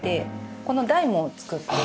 この台も作って。